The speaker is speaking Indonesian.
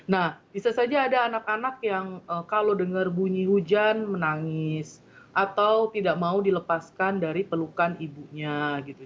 nah bisa saja ada anak anak yang kalau dengar bunyi hujan menangis atau tidak mau dilepaskan dari pelukan ibunya gitu